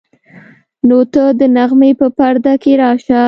نو ته د نغمې په پرده کې راشه.